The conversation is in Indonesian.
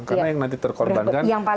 karena yang nanti terkorbankan